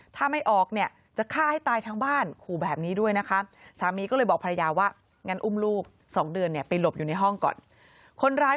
ถ้าไม่ออกจะฆ่าให้ตายทั้งบ้านขู่แบบนี้ด้วยนะคะ